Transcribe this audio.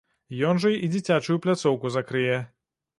Ён жа і дзіцячую пляцоўку закрые.